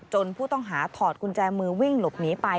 ผู้ต้องหาถอดกุญแจมือวิ่งหลบหนีไป